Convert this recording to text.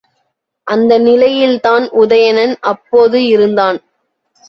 அந்த நிலையில்தான் உதயணன் அப்போது இருந்தான்.